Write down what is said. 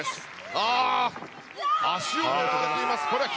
ああ、足を狙われています。